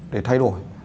để thay đổi